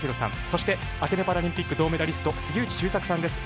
そして、アテネパラリンピック銅メダリスト、杉内周作さんです。